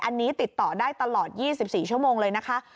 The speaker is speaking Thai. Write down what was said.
อันนี้ติดต่อได้ตลอด๒๔ชั่วโมงเลยนะคะ